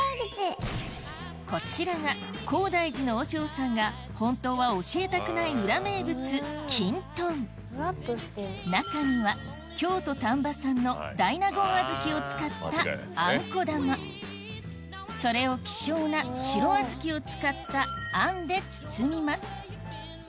こちらが高台寺の和尚さんが本当は教えたくない裏名物中にはを使ったあんこ玉それを希少な白小豆を使ったあんで包みます